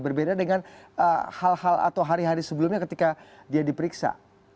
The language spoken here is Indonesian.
berbeda dengan hal hal atau hari hari sebelumnya ketika dia diperiksa